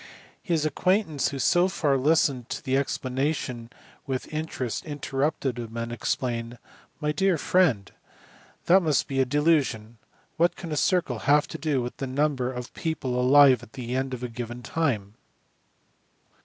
His acquaintance who had so far listened to the explanation with interest inter rupted him and explained, " My dear friend, that must be a delusion ; what can a circle have to do with the number of people alive at the end of a given time